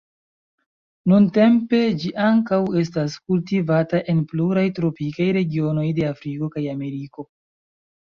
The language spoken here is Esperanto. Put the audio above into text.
Nuntempe ĝi ankaŭ estas kultivata en pluraj tropikaj regionoj de Afriko kaj Ameriko.